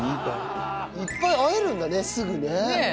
いっぱい会えるんだねすぐね。